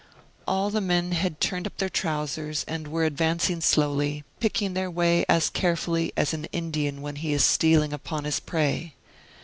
All the men had turned up their trousers and were advancing slowly, picking their way as carefully as an Indian when he is stealing upon his prey.